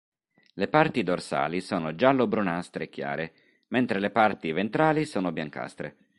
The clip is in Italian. Le parti dorsali sono giallo-brunastre chiare, mentre le parti ventrali sono biancastre.